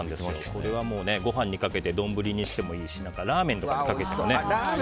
これはご飯にかけて丼にしてもいいしラーメンとかにかけてもね。